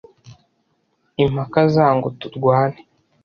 impaka za ngo turwane